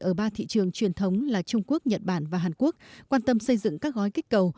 ở ba thị trường truyền thống là trung quốc nhật bản và hàn quốc quan tâm xây dựng các gói kích cầu